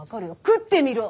食ってみろ！」